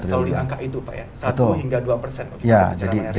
selalu diangkat itu pak ya satu hingga dua